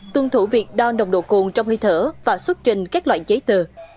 tuân thủ việc đo nồng độ cồn trong hơi thở và xuất trình các loại giấy tờ